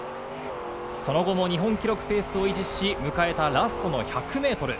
その後も日本記録ペースを維持し、迎えたラストの１００ｍ。